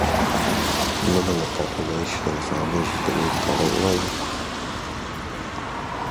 None of the population or the families was below the poverty line.